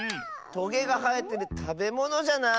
トゲがはえてるたべものじゃない？